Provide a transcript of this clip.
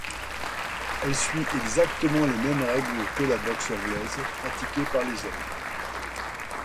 Elle suit exactement les mêmes règles que la boxe anglaise pratiquée par les hommes.